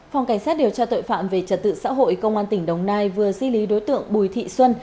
phòng cảnh sát điều tra tội phạm về trật tự xã hội công an tỉnh đồng nai vừa di lý đối tượng bùi thị xuân